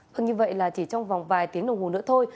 hơn như vậy là chỉ trong vòng vài tiếng đồng hồ nữa thôi